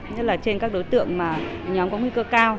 nhất là trên các đối tượng mà nhóm có nguy cơ cao